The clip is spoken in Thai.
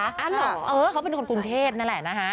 เหรอเออเขาเป็นคนกรุงเทพนั่นแหละนะฮะ